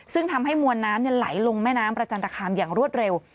ซึ่งทำให้มวลน้ำไหลลงแม่น้ำประจันตคามอย่างรวดเร็ว